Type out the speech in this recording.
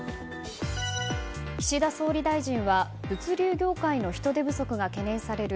岸田総理大臣は物流業界の人手不足が懸念される